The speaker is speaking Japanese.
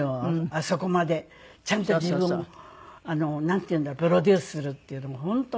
あそこまでちゃんと自分をなんていうんだろうプロデュースするっていうのも本当に。